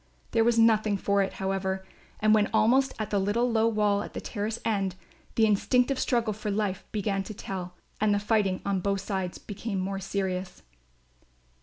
There was nothing for it, however; and, when almost at the little low wall at the terrace end, the instinctive struggle for life began to tell and the fighting on both sides became more serious.